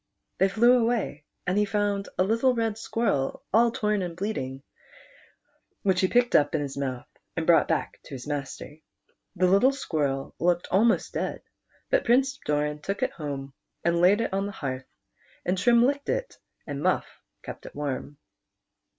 They flew away, and he found a little red squirrel all torn and bleeding, which he picked up in his mouth, and brought back to his master. The little Squirrel looked almost dead, but Prince Doran took it home and laid it on the hearth, and Trim licked it, and Muff kept it warm.